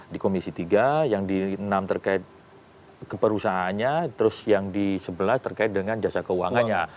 di komisi tiga yang di enam terkait keperusahaannya terus yang di sebelas terkait dengan jasa keuangannya